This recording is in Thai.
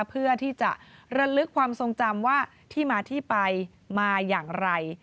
เพื่อที่จะระลึกความทรงจำว่าที่มาที่ไปมาอย่างไร